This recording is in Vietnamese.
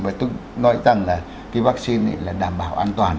và nói rằng là cái vaccine là đảm bảo an toàn